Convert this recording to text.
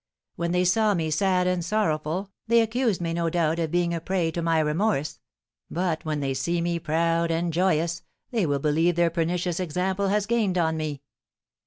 When they saw me sad and sorrowful, they accused me, no doubt, of being a prey to my remorse; but when they see me proud and joyous, they will believe their pernicious example has gained on me."